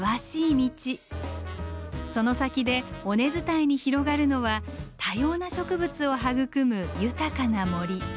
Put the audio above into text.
その先で尾根伝いに広がるのは多様な植物を育む豊かな森。